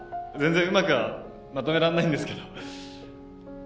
全然うまくはまとめらんないんですけど。